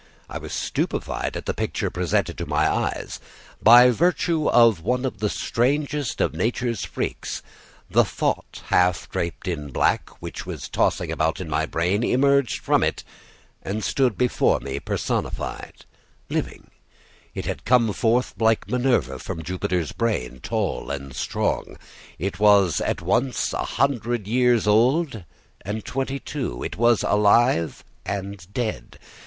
I was stupefied at the picture presented to my eyes. By virtue of one of the strangest of nature's freaks, the thought half draped in black, which was tossing about in my brain, emerged from it and stood before me personified, living; it had come forth like Minerva from Jupiter's brain, tall and strong; it was at once a hundred years old and twenty two; it was alive and dead.